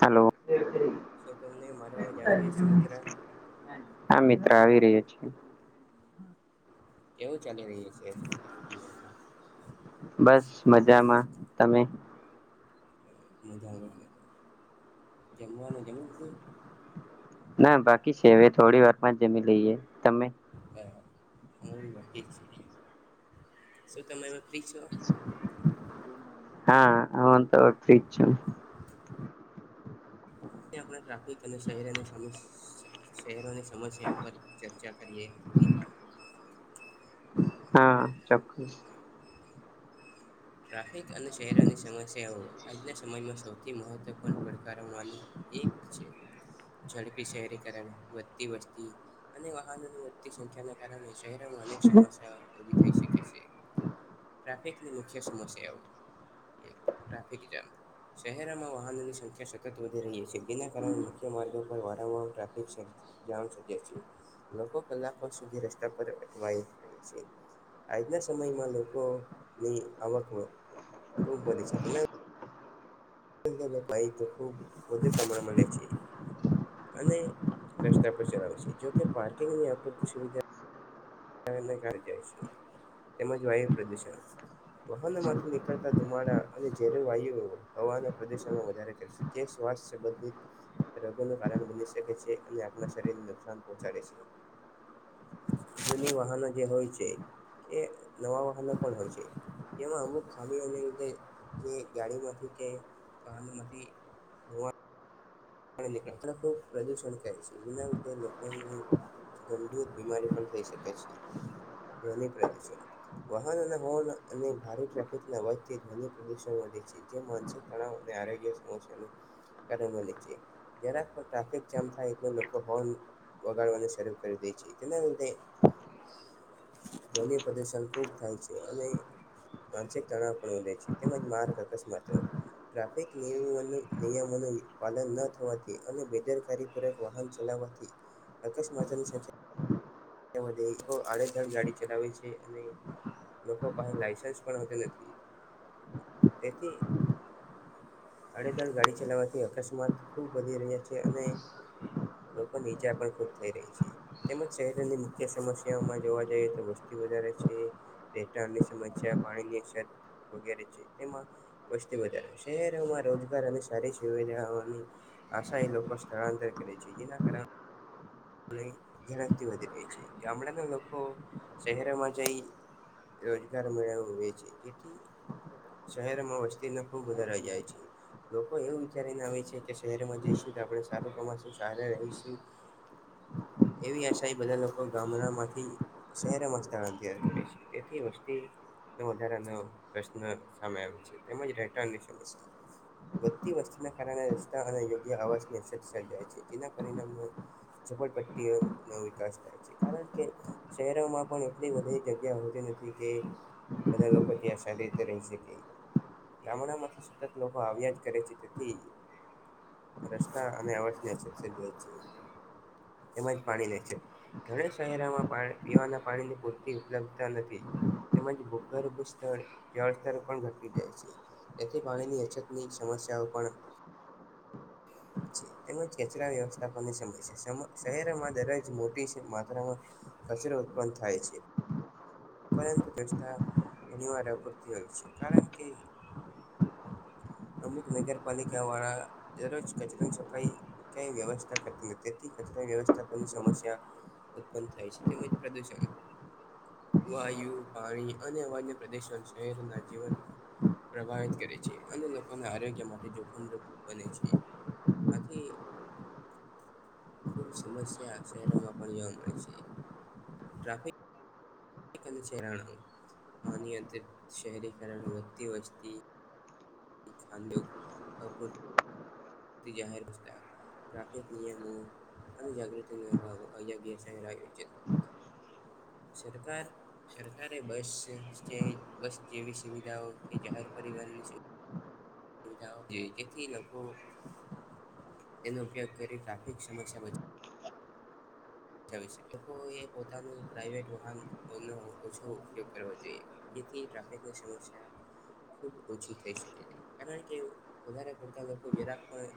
Hello. તો તમને મારો અવાજ આવી રહ્યોશે મિત્ર. હા મિત્ર આવી રહ્યો છે. એવું ચાલી રહ્યું છે. બસ મજામાં તમે. જમવાનું જમી લીધું ના બાકી છે હવે થોડી વારમાં જમી લઈએ તમે? હા અમારું વાકી જ છે શું તમેમે ફ્રી છો. હા હ તો વત્રી જ છે. આપણે ટાફિક અને શહેરન સા શહેરોની સમસ્યા પર ચર્ચા કરીએ થોડી હા ચોક્કસ ટ્રાફિક અને શહેરોની સમસ્યાઓ આજના સમયમાં સૌથી મહત્વપૂર્ણ પડકારો માની એક છે ઝડપી શહેરીકરણ વધતી વસ્તી અને વાહનોની વધતી સંખ્યા શહેરોમાં અનેક સમસ્યા ઉભી થઈ શકે છે ટ્રાફિકની મુખ્ય સમસઓ એક રારા ફેટીતા શહેરમાં વાહનોની સંખ્યા સતત વધી રહી છે જેના કારણે મુખ્ય માર્ગો પર વારંવાર ટ્રાફિક છે જા શકે છે લોકો કલાકો સુધી રસ્તા પર અટવાય રહ્યા છે આજના સમયમાં લોકોની આવક ખૂબી છે અને ભ તો ખૂબ વધ પ્રણ મળને છે અને રસ્તા પર ચલાવે છે જોકે પાર્કિંગ ની અૂરતી સુવિધા [inaudible] ય છે તેમજ વાયુ પ્રદુષણ વાહનોમાંથી નીકળતા ધુમાડા અને ઝેર વાયુઓ હવાના પ્રદુષણમાં વધારે કરશે કે શ્વાસ છે બધી રોગો ન કારણ બની શકે છે અને આપણા શરીરને નુકસાન પહોંચાડે છે જૂની વાહનો જે હોય છે એ નવા વાહનો પણ હોય છે જેમાં અમુક ખામીઓ્ય રીતે જે ગાડીમાંથી કે વાહનમાંથી ની પ્રદુષણ કરાયે છે એના વિધે લોકોને ગંભીર બીમારી પણ થઈ શકે છે ધ્વનિ પ્રદૂષણ વાહન અને હોર્ન અને ભારે ટ્રાફિકના વચ્ચે ધ્વનિ પ્રદૂષણ વધે છે જે માનસ તણાવ અને આરોગ્ય સમસ્યા ન કાર બે છે જરાક ટ્રાફિક જામ થાય એટલે લોકો હોર્ન વગાડવાનું શરૂ કરી દે છે કેના રીતે ધ્વનિ પ્રદર્શન ખુબ થાય છે અને માનસિક તણાવ પણ વધે છે તેમજ માર્ગ અકસ્માતો ટ્રાફિકિક નિયમનું નિયમોનું પાલન ન થવાથી અને બેદરકારીપૂર્વક વાહન ચલાવવાથી અકસ્માતોની સંખ્યા આડેધણ ગાડી ચલાવે છે અને લોકો કસે લાઈસન્સ પણ નથી તેથી આડેધડ ગાડી ચલાવવાથી અકસ્માત ખુબ વધી રહ્યા છે અને લોકોની ઈજા પણ ખુબ થઈ રહી છે તેમજ ની મુખ્ય સમસ્યામાં જોવા જઈએ તો વસ્તી વધારે છે વેટાણની સમસ્યા પાણીની છત વગેરે છે તેમાં વસ્તી વધારે શહેરોમાં રોજગાર અને સારી સુવિધાઓની આસ એ લોકો સ્થળાંતર કરે છે જેના કારણે ઝડપથી વધી રહી છે ગામડાના લોકો શહેરમાં જઈ રોજગાર મેળવે છે જેથી શહેરમાં વસ્તી ન ખૂબ વધારા જાય છે લોકો એવું વિચારીને આવે છે કે શહેરમાં જઈશું તો આપણે સારું કમાશું સારા રહીશું એવી આશા બધા લોકો ગામડા માંથી શહેરમ સ્થળંત કરેશ એ હતી વસ્તી વધારાનો પ્રશ્ન સામે આવ છે તેમજટની સમ વધતી વસ્તીના કારણે રસ્તા અને યોગ્ય અવાજની અસત સર્જાય છે જેના પરિણામ ઝોપટપટ્ટી વિકાસ થાય છે કારણ કે શહેરોમાં પણ એટલી બધી જગ્યા આવતી નથી કે બધા લોકો ત્યાં સારી રીતે રહી શકે ગામડા માંથી સતત લોકો આવ્યા જ કરે છે તેથી રસ્તા અને અવાજની અશ છેએ તેમજ પાણીને છે ઘણા શહેરામાં પીવાના પાણીની પૂરતી ઉપલબ્ધતા નથી તેમજ ભૂગર્ભ સ્થળ જળતર પણ ઘટી જાય છે તેથી પાણીની અછતની સમસ્યાઓ પણ તેમજ ખચરા વ્યવસ્થાપનની સમય છે શહેરમાં દરજ મોટી માત્રામાં કચરો ઉત્પન્ન થાય છે પરંતુ [inaudible] ઘણીવાર અપૂરતી હોય છે કારણ કે અમુક નગરપાલિકા વાળા દરરોજ કચરાની સફાઈ કઈ વ્યવસ્થા કરતા નથીથી કચરા વ્યવસ્થાપનની સમસ્યા ઉત્પન્ન થાય છે તેમજ પ્રદુષણ વાયુ પાણી અને વન્ય પ્રદર્શન શહેરના જીવન પ્રભાવિત કરે છે અને લોકોના આરોગ્ય માટે જોખમરૂપ બને છે આથી ખૂબ સમસ્યા શહેરોમાં પણ જોવા મળે છે ટ્રાફિક છેણ આનીંત શહેરીકરણ વધતી વસ્તી [inaudible] તેથ જાહેર [inaudible] ટ્રાફિક નિયમો અને જાગૃતિ ના અભાવો અયોગ્ય સહેરા છે સરકાર સરકારે બસ સ્ટેન્ડ બસ જેવી સુવિધાઓ કે જાહેર પરિવહનની જોઈ જેથી લોકો તેનો ઉપયોગ કરી ટ્રાફિક સમસ્યા બ એ પોતાનું પ્રાઈવેટ વાહન નો ઓછો ઉપયોગ કરવાો જોઈએ જેથી ટ્રાફિકની સમસ્યા ખૂબ ઓછી થઈ શકે છે કારણ કે વધારે પડતા લોકો જરાકમાં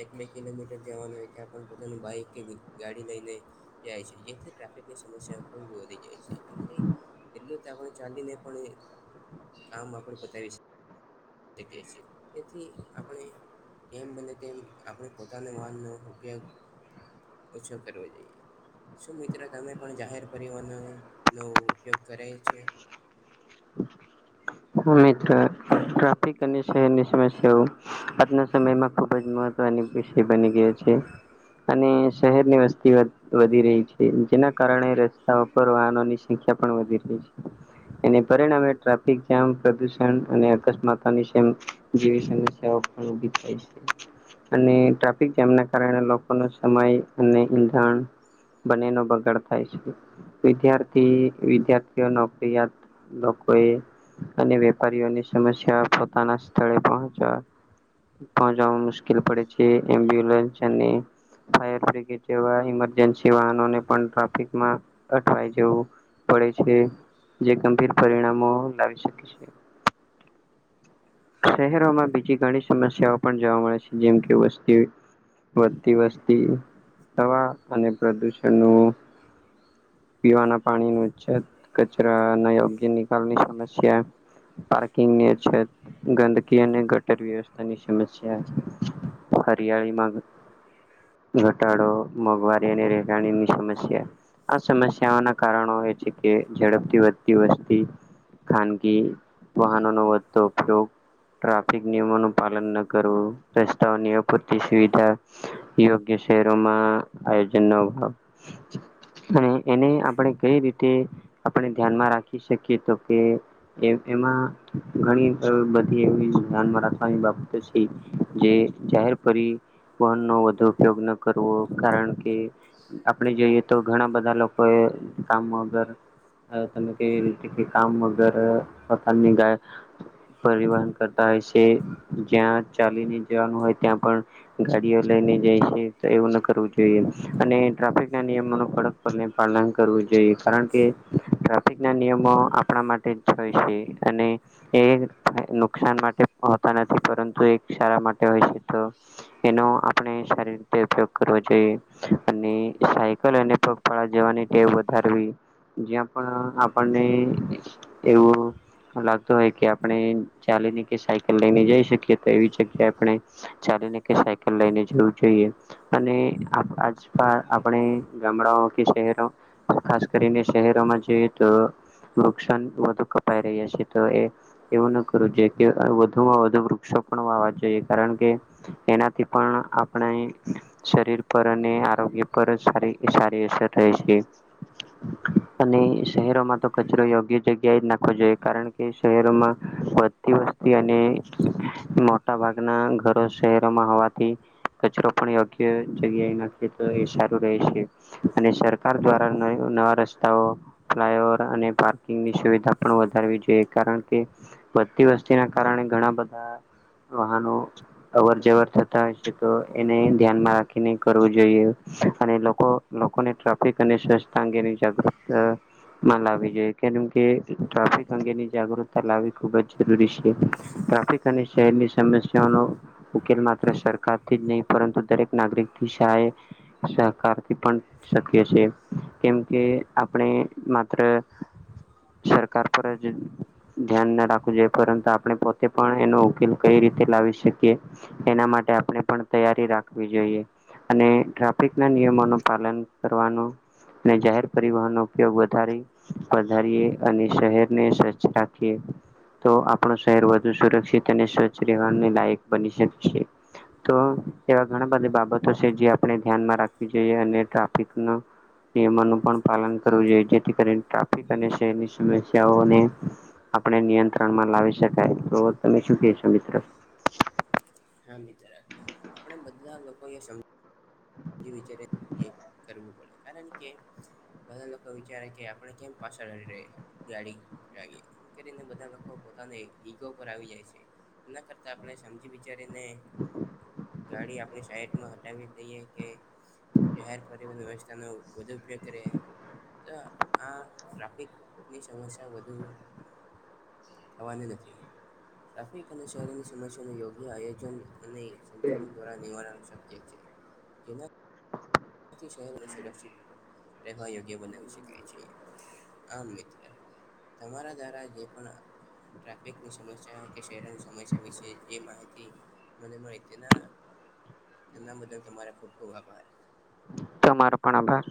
એક બે કિલોમીટર જવાનુંય પોતાનું બાઈક કે ગાડી થી લઈ ને જાય છે જેથી ટ્રાફિકની સમસ્યા ખબ વધી જાય છે એ એટલું તો આપણે ચાલીને પણ કામ આપણે બતાવી શકીએ તે કહે છે એ તેથી આપણે એમ બને તેમ આપણે પોતાના વાહનનો ઉપયોગ ઓછો કરવો જોઈએ શું મિત્રો તમે પણ જાહેર પરિવહન નો ઉપયોગ કરે છે હા મિત્ર ટ્રાફિક અને શહેરની સમસ્યાઓ આજના સમયમાં ખુબ જ મહત્વની વિષય બની ગયો છે અને શહેર ની વસ્તી વધી રહી છે જેના કારણે રસ્તાઓ પર વાહનોની સંખ્યા પણ વધી રહી છે એને પરિણામે ટ્રાફિક પ્રદુષણ અને અકસ્માતોની જેવી સમસ્યાઓ પણ ઉભી થાય છે અને ટ્રાફિક જામના કારણે લોકોનો સમય અને ઈંધણ બને નો બગાડ થાય છે વિદ્યાર્થી વિદ્યાર્થીઓ નોકરિયાદ ન કોઈ અને વેપારીઓની સમસ્યા પોતાના સ્થળે પહોચવા પહોંચાવા મુશ્કેલ પડે છે એમ્બ્યુલન્સ અને ફાયર બ્રિગેડ જેવા ઈમરજન્સી વાહનોને પણ ટ્રાફિકમાં અટવાયવું પડે છે જે ગંભીર પરિણામો લાવી શકે છે શહેરોમાં બીજી ઘણી સમસ્યાઓ પણ જોવા મળે છે જેમ કે વસ્તી વધતી વસ્તી હવા અને પ્રદુષણ ન પીવાના પાણી ન કચરા ના યોગ્ય નિકાલની સમસ્યા પાર્કિંગની અછત ગંદકી અને ગટર વ્યવસ્થાની સમસ્યા હરિયાળીમાંગ ઘટાડો મોંઘવારી અને રહેેગાણીની સમસ્યા આ સમસ્યાઓના કારણો એ છે કે ઝડપથી વધતી વસ્તી ખાનગી વાહનો નો વધતો ઉપયોગ ટ્રાફિક નિયમોનું પાલન ન કરવું રસ્તાઓની અપૂરતી સુવિધા યોગ્ય શહેરોમાં આયોજન નો અભાવ અને એને આપણે કઈ રીતે આપણે ધ્યાનમાં રાખી શકીએ તો કે એ એમાં ઘણી બધી એવી ધ્યાનમાં રાખવાની બાબતો છે. જે જાહેર પરિવહનનો વધુ ઉપયોગ ન કરવો કારણ કે આપણે જોઈએ તો ઘણા બધા લોકો એ કામ વગર હ તમે કેવી રીતે કે કામ વગરે પોતાની ગાય પરિવહન કરતા હોય છે જ્યાં ચાલીને જવાનું હોય ત્યાં પણ ગાડીઓ લઈને જાય છે, તો એવું ન કરવું જોઈએ, અને ટ્રાફિક ના નિયમો કડક પર પાલન કરવું જોઈએ કારણ કે ટ્રાફિક ના નિયમો આપણા માટે હોય છે અને એ નુકસાન માટે હોતા નથી પરંતુ એક સારા માટે હોય છે તો એનો આપણે સારી રીતે ઉપયોગ કરવો જોઈએ અને સાયકલ અને ગફાળા જવાની ટે વધારવી જ્યાં પણ આપણને એવું લાગતો હોય કે આપણે ચાલીને કે સાયકલ લઈને જઈ શકીએ તો એવી જગ્યા આપણે ચાલીને કે સાયકલ લઈને જવું જોઈએ અને આ આજ આપણે ગામડાઓ કે શહેરો ખાસ કરીને શહેરોમાં જોઈએ તો નુકસાન વધુ કપાઈ રહ્યા છે તો એ એવું ન કરવું જો કે વધુમાં વધુ વૃક્ષો પણ વાવા જોઈએ કારણ કે એનાથી પણ આપણે શરીર પર અને આરોગ્ય પર સારી એ સારી અસર થાય છે. અને શહેરોમાં તો કચરો યોગ્ય જગ્યાએ જ નાખવો જોઈએ કારણ કે શહેરોમાં વધતી વસ્તી અને મોટા ભાગના ઘરો શહેરોમાં હોવા થી કચરો પણ યોગ્ય જગ્યાએ નાખી તો એ સારું રહે છે. અને સરકાર દ્વારા નવા રસ્તાઓ ફ્લાય ઓવર અને પાર્કિંગની સુવિધા પણ વધારવી જોઈએ કારણ કે વધતી વસ્તી ના કારણે ઘણા બધા વાહનો અવર જવર થતા હોય છે તો એને ધ્યાનમાં રાખીને કરવું જોઈએ અને લોકો લોકોને ટ્રાફિક અને સ્વચ્છતા અંગેની જાગૃતતા માં લાવવી જોઈ કેમ કે ટ્રાફિક અંગેની જાગૃત તા લાવી ખુબ જ જરૂરી છે ટ્રાફિક અને શહેરની સમસ્યાનો ઉકેલ માત્ર સરકારથી જ નહીં પરંતુ દરેક નાગરિક થી શહાય સહકારથી પણ શક્ય છે કેમ કે આપણે માત્ર સરકાર પર જ ધ્યાન ના રાખવું જોઈએ પરંતુ આપણે પોતે પણ એનો ઉકેલ કઈ રીતે લાવી શકીએ. એના માટે આપણે પણ તૈયારી રાખવી જોઈએ અને ટ્રાફિક ના નિયમોનો પાલન કરવાનો અને જાહેર પરિવહનનો ઉપયોગ વધારી વધારીએ અને શહેરને સ્વચ્છ રાખીએ. તો આપણું શહેર વધુ સુરક્ષિત અને સ્વચ્છ રહેવાની લાયક બની શકે છે. તો એવા ઘણા બધી બાબતો છે જે આપણે ધ્યાનમાં રાખવી જોઈએ અને ટ્રાફિક ના નિયમોનું પણ પાલન કરવું જોઈએ જેથી કરીને ટા ફિક અને શહેરની સમસ્યાઓને આપણે નિયંત્રણ માં લાવી શકાય, તો તમે શું કહેશો મિત્ર હા મિત્ર આપડે બધા લોકો એ સમ મજી વિચારે જે કરવું પડે, કારણ કે બધા લોકો વિચારે કે આપણે કેમ પાછળ લડી ર ગાડી [unintelligible] કરીને બધા લોકો પોતાની ઈગો પર આવી જાય છે એના કર તા આપણે સમજી વિચારીને ગાડી આપણી સાઈટમાં હટાવી દઈએ કે જાહેર પરિવહન વ્યવસ્થાનો વધુ ઉપયોગ કરે તો આ ટ્રાફિકની સમસ્યા વધુ થવાની નથી. ટ્રાફિક અને શહેરની સમસ્યાનું યોગ્ય આયોજન અને સંચલન દ્વારા નિવારણ શક્ય છે. એના શહેર સુરક્ષિત રહેવા યોગ્ય બનાવી શકાય છે આમ તમારા દ્વારા જે પણ ટ્રાફિકની સમસ્યા કે શહેરોની સમસ્યા વિશે જે માહિતી મને મળી એના બદલ તમારા ખૂબ ખુબ આભાર. તો તમારો પણ આભાર.